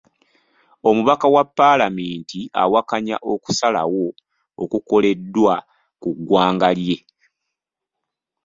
Omubaka wa paalamenti awakanya okusalawo okukoleddwa ku ggwanga lye.